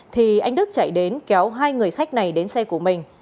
thì anh đức chạy đến kéo hai người khách này đến xe của mình